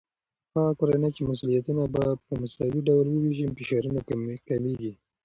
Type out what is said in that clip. هغه کورنۍ چې مسؤليتونه په مساوي ډول وويشي، فشارونه کمېږي.